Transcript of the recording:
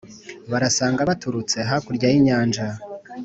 baransanga baturutse hakurya y'inyanja